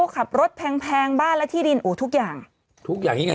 ขับรถแพงแพงบ้านและที่ดินอู๋ทุกอย่างทุกอย่างยังไง